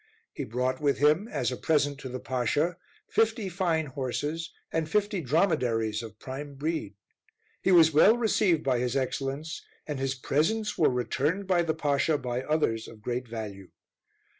He brought with him, as a present to the Pasha, fifty fine horses, and fifty dromedaries of prime breed. He was well received by his Excellence, and his presents were returned by the Pasha, by others of great value.